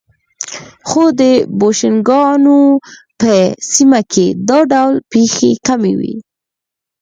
خو د بوشنګانو په سیمه کې دا ډول پېښې کمې وې.